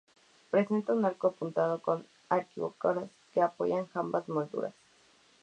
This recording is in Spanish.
Presenta un arco apuntado, con arquivoltas que se apoyan en jambas molduradas.